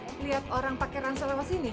ibu ibu lihat orang pakai ransel lewat sini